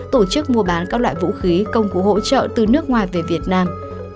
tổ chức mua bán các loại vũ khí công cụ hỗ trợ từ nước ngoài về việt nam